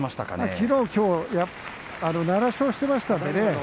きのう、きょうは７勝していましたのでね。